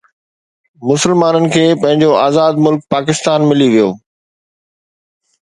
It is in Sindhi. مسلمانن کي پنهنجو آزاد ملڪ پاڪستان ملي ويو